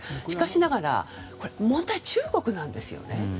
しかしながら問題は中国ですよね。